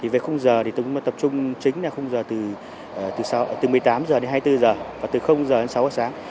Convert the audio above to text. về khung giờ thì tôi cũng tập trung chính là khung giờ từ một mươi tám h đến hai mươi bốn h và từ h đến sáu h sáng